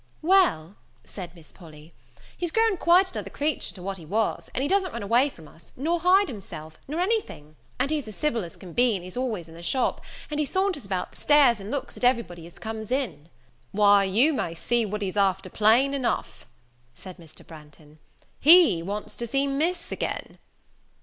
"Well," said Miss Polly, "he's grown quite another creature to what he was, and he doesn't run away from us, nor hide himself, nor any thing; and he's as civil as can be, and he's always in the shop, and he saunters about the stairs, and he looks at every body as comes in." "Why, you may see what he's after plain enough," said Mr. Branghton; "he wants to see Miss again."